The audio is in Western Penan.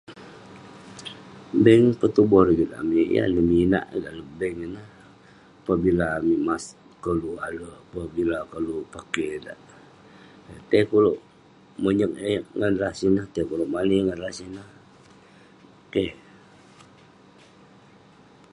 Bank petuboh rigit amik, yan neh ninak ireh dalem bank..ineh, pabila amik koluk alek, pabila koluk pakey dak..tai peh ulouk monyek eh ngan rah sineh, tai keh ulouk mani ngan rah sineh..keh..